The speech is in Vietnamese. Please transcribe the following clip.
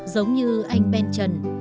giống như anh ben trần